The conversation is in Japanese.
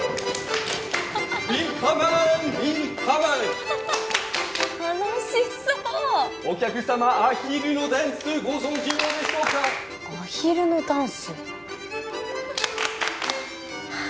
ヴィルコッメンヴィルコッメン楽しそうお客様アヒルのダンスご存じでしょうかアヒルのダンス？